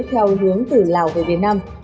theo hướng từ lào về việt nam